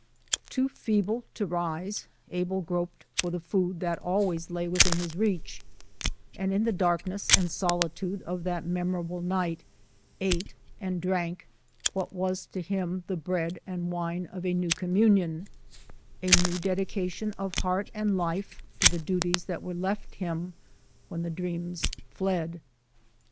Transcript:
Too feeble to rise, Abel groped for the food that always lay within his reach, and in the dark ness and solitude of that memorable night ate and drank what was to him the bread and wine of a new communion, a new dedication of heart and Digitized by VjOOQ IC 172 BRONSON ALCOTT'S FRUITLANDS life to the duties that were left him when the dreams fied.